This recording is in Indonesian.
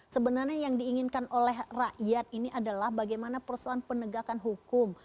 sebenarnya yang diinginkan oleh rakyat ini adalah bagaimana persoalan penegakan hukum